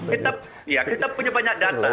kita punya banyak data